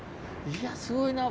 いやすごいな。